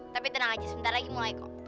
tapi tenang aja sebentar lagi mulai kok